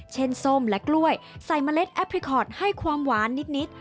ส้มและกล้วยใส่เมล็ดแอปพลิคอร์ดให้ความหวานนิด